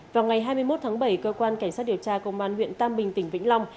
vào ngày hai mươi một tháng bảy cơ quan cảnh sát điều tra công an huyện tam bình tỉnh vĩnh long